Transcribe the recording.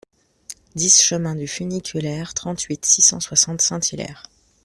dix chemin du Funiculaire, trente-huit, six cent soixante, Saint-Hilaire